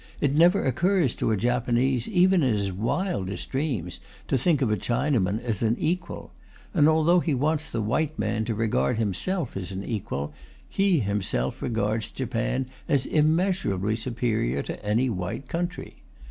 It never occurs to a Japanese, even in his wildest dreams, to think of a Chinaman as an equal. And although he wants the white man to regard himself as an equal, he himself regards Japan as immeasurably superior to any white country.